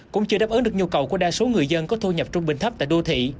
cũng chưa đáp ứng được nhu cầu của đa số người dân có thu nhập trung bình thấp tại đô thị